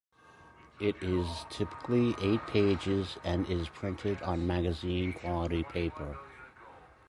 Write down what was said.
It is typically eight pages and is printed on magazine quality paper.